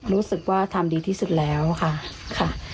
รู้สึกว่าทำดีที่สุดแล้วค่ะ